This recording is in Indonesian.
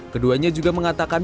keduanya juga mengatakan